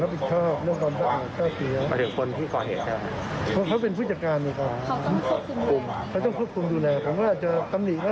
สำหรับเสื้อผ้าที่นั่นมีเสื้อผ้าของ